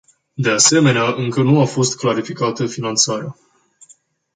De asemenea, încă nu a fost clarificată finanțarea.